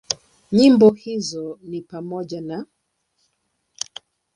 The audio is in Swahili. Nyimbo hizo ni pamoja na;